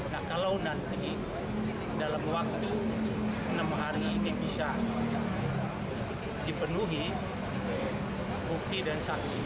nah kalau nanti dalam waktu enam hari ini bisa dipenuhi bukti dan saksi